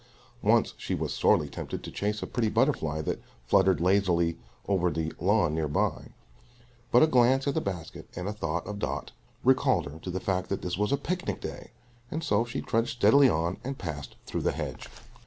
Once she was sorely tempted to chase a pretty butterfly that fluttered lazily over the lawn near by; but a glance at the basket and a thought of Tot recalled her to the fact that this was "a picnic day," and so she trudged steadily on and passed through the hedge.